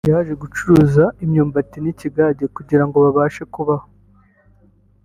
yaje gucuruza imyumbati n’ikigage kugira ngo babashe kubaho